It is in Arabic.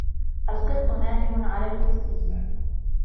القط نائم على الكرسي.